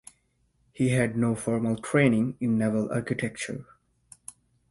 He had no formal training in naval architecture.